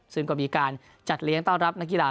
ซึ่งก็มีการจัดเลี้ยงต้อนรับนักกีฬา